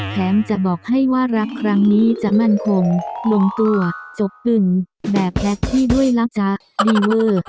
จะบอกให้ว่ารักครั้งนี้จะมั่นคงลงตัวจบหนึ่งแบบแล็กที่ด้วยล่ะจ๊ะดีเวอร์